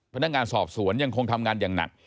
พนักงานสอบสวนยังคงทำงานอย่างหนัก